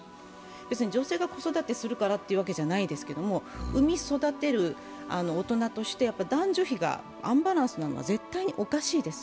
別に女性が子育てするからってわけじゃないですけど、産み育てる大人として男女比がアンバランスなのは絶対おかしいです。